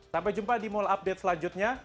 sampai jumpa di mall update selanjutnya